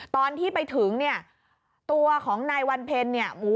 ตอนที่ไปถึงตัวของนายวันเพลิน